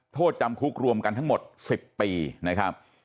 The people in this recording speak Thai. โทษจำคุกรวมกันทั้งหมด๑๐ปีนะครับ